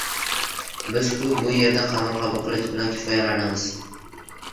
Biz-ku, bu yerda qaror qabul qilish bilan kifoyalanamiz